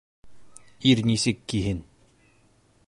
Ир нисек киһен?